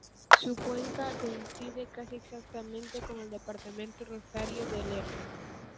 Su cuenca coincide casi exactamente con el departamento Rosario de Lerma.